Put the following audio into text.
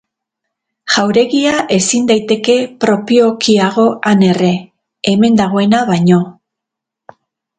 Jauregia ezin daiteke propiokiago han erre, hemen dagoena baino.